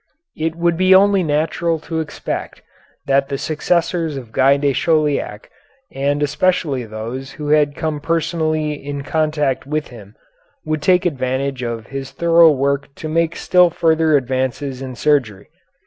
It would be only natural to expect that the successors of Guy de Chauliac, and especially those who had come personally in contact with him, would take advantage of his thorough work to make still further advances in surgery.